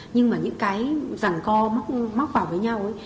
nhưng mà những cái ràng co móc vào với nhau ấy